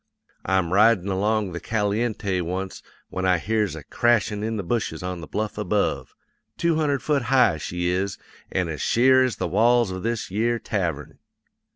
I'm ridin' along the Caliente once when I hears a crashin' in the bushes on the bluff above two hundred foot high, she is, an' as sheer as the walls of this yere tavern.